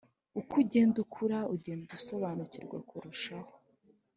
uko ugenda ukura ugenda usobanukirwa kurushaho